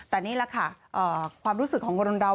แต่นี่แหละค่ะความรู้สึกของคนเรา